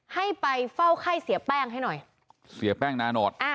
ให้ไปเฝ้าไข้เสียแป้งให้หน่อยเสียแป้งนาโนตอ่า